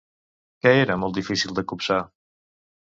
Què era molt difícil de copsar?